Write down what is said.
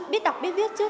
biết đọc biết viết trước